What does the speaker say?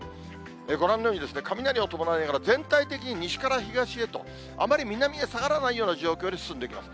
ご覧のように、雷を伴いながら、全体的に西から東へと、あまり南へ下がらないような状況で進んでいきます。